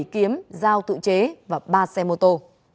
bảy kiếm dao tự chế và ba xe mô tô